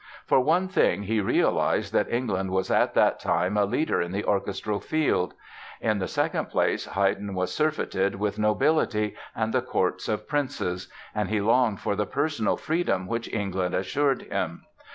For one thing, he realized that England was at that time a leader in the orchestral field; in the second place Haydn was surfeited with nobility and the courts of princes. And he longed for the personal freedom which England assured him.